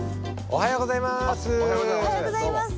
おはようございます。